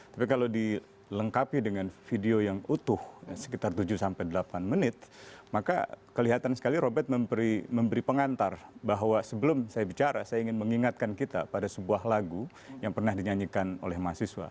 tapi kalau dilengkapi dengan video yang utuh sekitar tujuh sampai delapan menit maka kelihatan sekali robert memberi pengantar bahwa sebelum saya bicara saya ingin mengingatkan kita pada sebuah lagu yang pernah dinyanyikan oleh mahasiswa